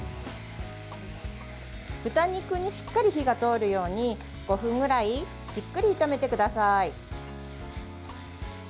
豚肉にしっかり火が通るように５分ぐらいじっくり炒めてください。